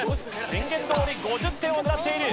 宣言どおり５０点を狙っている。